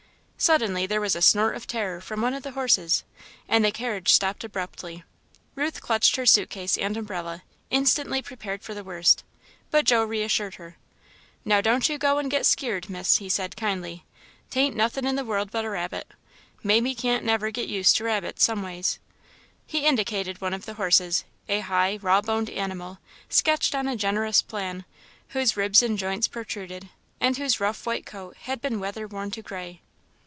Suddenly there was a snort of terror from one of the horses, and the carriage stopped abruptly. Ruth clutched her suit case and umbrella, instantly prepared for the worst; but Joe reassured her. "Now don't you go and get skeered, Miss," he said, kindly; "'taint nothin' in the world but a rabbit. Mamie can't never get used to rabbits, someways." He indicated one of the horses a high, raw boned animal, sketched on a generous plan, whose ribs and joints protruded, and whose rough white coat had been weather worn to grey.